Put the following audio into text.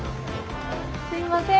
すいません